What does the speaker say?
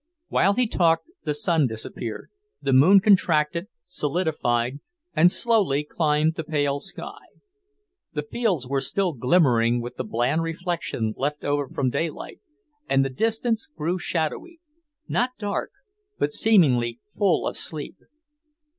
While he talked the sun disappeared, the moon contracted, solidified, and slowly climbed the pale sky. The fields were still glimmering with the bland reflection left over from daylight, and the distance grew shadowy, not dark, but seemingly full of sleep.